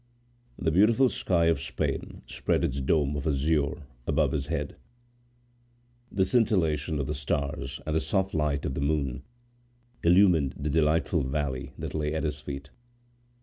The beautiful sky of Spain spread its dome of azure above his head. The scintillation of the stars and the soft light of the moon illumined the delightful valley that lay at his feet.